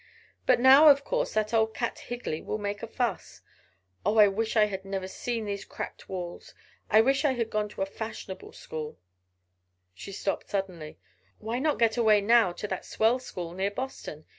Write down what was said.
"But now, of course that old cat Higley will make a fuss Oh, I wish I never had seen these cracked walls. I wish I had gone to a fashionable school " She stopped suddenly. Why not get away now to that swell school near Boston?